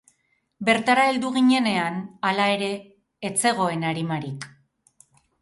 Bertara heldu ginenean, hala ere, ez zegoen arimarik.